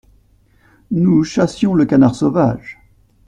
Nous chassions le canard sauvage…